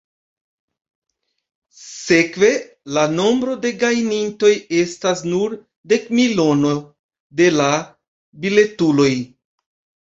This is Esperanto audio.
Sekve, la nombro de gajnintoj estas nur dekmilono de la biletuloj!